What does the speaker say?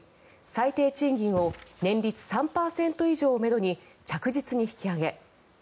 最低賃金を年率３％以上をめどに着実に引き上げ。